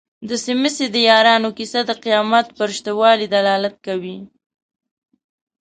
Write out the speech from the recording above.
د څمڅې د یارانو کيسه د قيامت پر شته والي دلالت کوي.